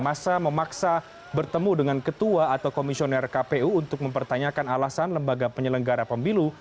masa memaksa bertemu dengan ketua atau komisioner kpu untuk mempertanyakan alasan lembaga penyelenggara pemilu